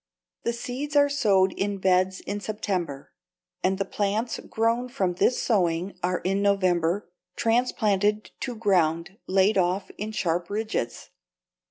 The seeds are sowed in beds in September, and the plants grown from this sowing are in November transplanted to ground laid off in sharp ridges.